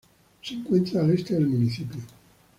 Se encuentra al este del municipio.